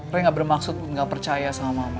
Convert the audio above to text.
rey gak bermaksud gak percaya sama mama